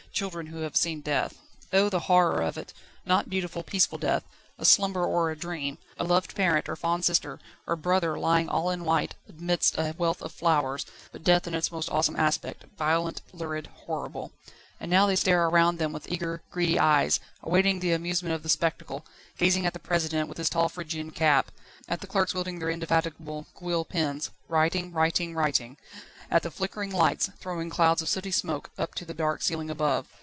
Children who have seen death! Oh, the horror of it! Not beautiful, peaceful death, a slumber or a dream, a loved parent or fond sister or brother lying all in white amidst a wealth of flowers, but death in its most awesome aspect, violent, lurid, horrible. And now they stare around them with eager, greedy eyes, awaiting the amusement of the spectacle; gazing at the President, with his tall Phrygian cap; at the clerks wielding their indefatigable quill pens, writing, writing, writing; at the flickering lights, throwing clouds of sooty smoke, up to the dark ceiling above.